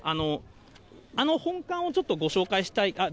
あの本館をちょっとご紹介したい。